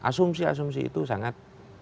asumsi asumsi itu sangat